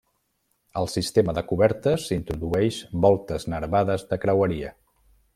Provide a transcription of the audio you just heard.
El sistema de cobertes introdueix voltes nervades de creueria.